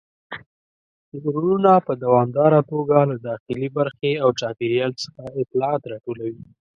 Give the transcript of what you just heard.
نیورونونه په دوامداره توګه له داخلي برخې او چاپیریال څخه اطلاعات راټولوي.